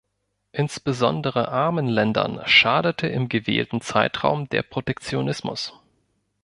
Insbesondere armen Ländern schadete im gewählten Zeitraum der Protektionismus.